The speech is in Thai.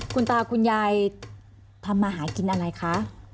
คุณตาคุณยายทำมาหากินอะไรคะ